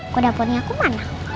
kuda poni aku mana